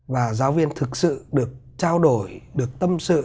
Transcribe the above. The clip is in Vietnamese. và giáo viên thực sự được trao đổi được tâm sự